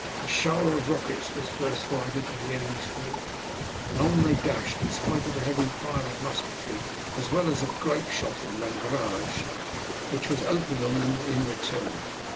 A shower of rockets was first fired into the enemy's fort, and then on they dashed, in spite of the heavy fire of musketry, as well as of grape shot and langrage, which was opened on them in return.